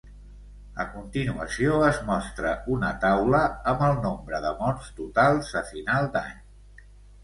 A continuació es mostra una taula amb el nombre de morts totals a final d'any.